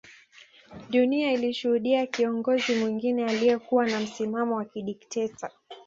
Dunia ilishuhudia kiongozi mwingine aliyekuwa na msimamo wa kidekteta